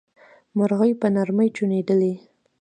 مرغۍ په نرمۍ چوڼيدلې.